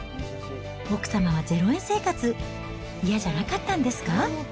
奥様は０円生活、嫌じゃなかったんですか？